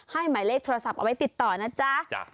หมายเลขโทรศัพท์เอาไว้ติดต่อนะจ๊ะ